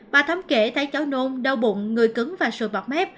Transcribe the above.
bà thấm kể thấy cháu nôn đau bụng người cứng và sụn bọc mép